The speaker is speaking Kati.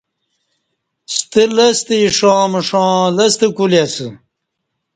ستہ لستہ ایݜاں مشاں لستہ کولی اسہ۔